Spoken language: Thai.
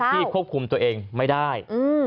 สนิทที่ควบคุมตัวเองไม่ได้